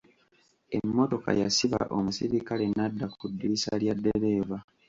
Emmotoka yasiba omuserikale n'adda ku ddirisa lya ddereeva.